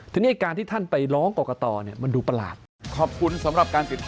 ทีนี้การที่ท่านไปร้องกอกต่อเนี่ย